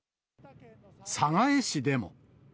寒河江市でも。